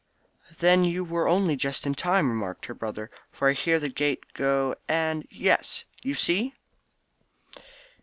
"Then you were only just in time," remarked her brother, "for I hear the gate go, and yes, you see."